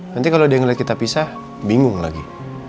nanti kalau dia ngeliat kita pisah bingung lagi